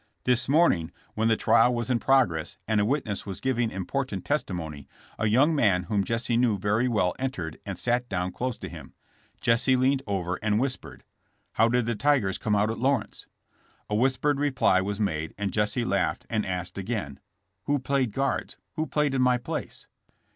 This morning when the trial was in progress and a witness was giving important testimony a young man whom Jesse knew very well entered and sat down close to him. Jesse leaned over and whis pered : How did the Tigers come out at Lawrence?" A whispered reply was made and Jesse laughed and asked again : Who played guards? Who played in my place?''